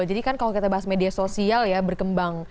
jadi kan kalau kita bahas media sosial ya berkembang